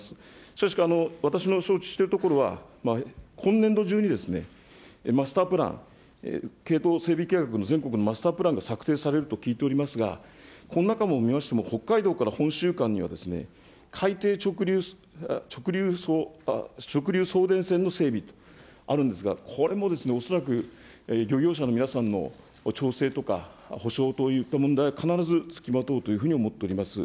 しかし、私の承知しているところは、今年度中にマスタープラン、系統整備計画の全国のマスタープランが策定されると聞いておりますが、この中を見ましても、北海道から本州間には、海底直流送電線の整備とあるんですが、これも恐らく漁業者の皆さんの調整とか、補償といった問題は必ず付きまとうというふうに思っております。